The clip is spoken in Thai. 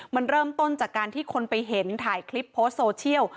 มันเริ่มต้นจากการที่คนไปเห็นถ่ายคลิปโพสต์โซเชียล